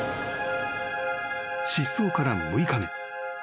［失踪から６日目］